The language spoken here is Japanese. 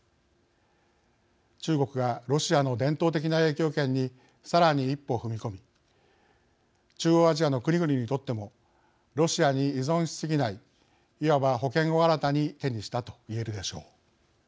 中国がロシアの伝統的な影響圏にさらに一歩踏み込み中央アジアの国々にとってもロシアに依存しすぎないいわば保険を新たに手にしたと言えるでしょう。